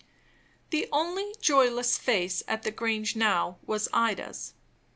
The only joyless face at the Grange now was Ida's.